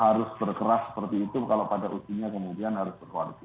harus berkeras seperti itu kalau pada ujungnya kemudian harus berkoalisi